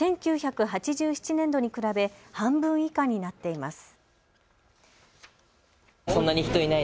１９８７年度に比べ半分以下になっています。